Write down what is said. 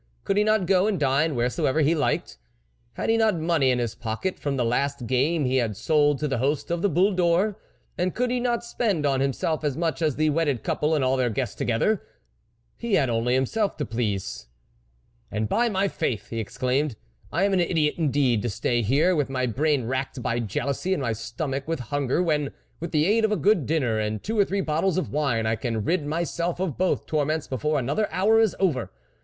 Could he not go and dine wheresoever he liked ? Had he not money in his pocket from the last game he had sold to the host of the Boule d' Or ? And could he not spend on himself as much as the wedded couple and all their guests together ? He had only himself to please. " And, by my faith !" he exclaimed, " I am an idiot indeed to stay here, with my brain racked by jealousy, and my stomach with hunger, when, with the aid of a good dinner and two or three bottles of wine, I can rid myself of both torments before another hour is over.